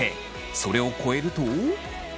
それを超えると。